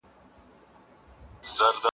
زه مخکي د کتابتوننۍ سره مرسته کړې وه.